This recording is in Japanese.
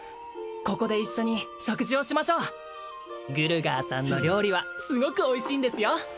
ここで一緒に食事をしましょうグルガーさんの料理はすごくおいしいんですよ